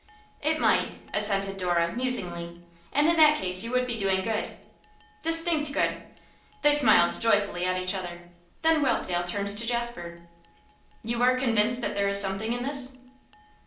'It might,' assented Dora, musingly. 'And in that case you would be doing good!' 'Distinct good!' They smiled joyfully at each other. Then Whelpdale turned to Jasper: 'You are convinced that there is something in this?